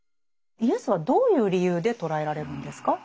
イエスはどういう理由で捕らえられるんですか？